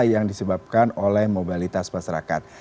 yang disebabkan oleh mobilitas masyarakat